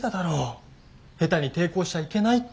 下手に抵抗しちゃいけないって。